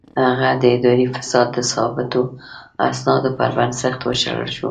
هغه د اداري فساد د ثابتو اسنادو پر بنسټ وشړل شو.